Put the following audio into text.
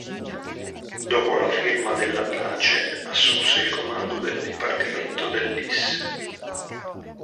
Dopo la firma della pace, assunse il comando del dipartimento del Lys.